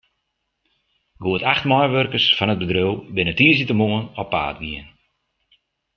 Goed acht meiwurkers fan it bedriuw binne tiisdeitemoarn op paad gien.